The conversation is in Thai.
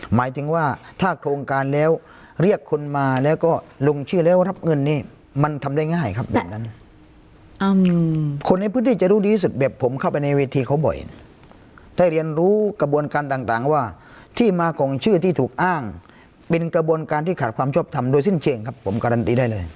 หมายถึงว่าถ้าโครงการแล้วเรียกคนมาแล้วก็ลงชื่อแล้วรับเงินนี่มันทำได้ง่ายครับแบบนั้นคนในพื้นที่จะรู้ดีที่สุดแบบผมเข้าไปในเวทีเขาบ่อยได้เรียนรู้กระบวนการต่างว่าที่มาของชื่อที่ถูกอ้างเป็นกระบวนการที่ขาดความชอบทำโดยสิ้นเชิงครับผมการันตีได้เลย